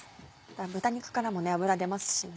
豚肉からも脂出ますしね。